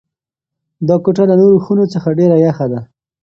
دا کوټه له نورو خونو څخه ډېره یخه ده.